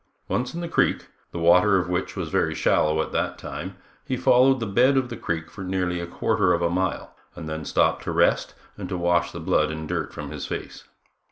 Once in the creek, the water of which was very shallow at that time, he followed the bed of the creek for nearly a quarter of a mile, and then stopped to rest and to wash the blood and dirt from his face.